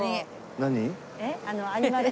何？